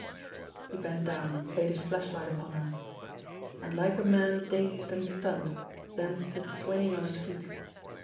" He bent down and played his flashlight upon her and like a man dazed and stunned then stood swaying on his feet.